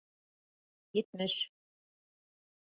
Етмеш